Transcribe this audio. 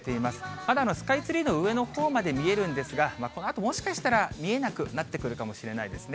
まだスカイツリーの上のほうまで見えるんですが、このあともしかしたら見えなくなってくるかもしれませんね。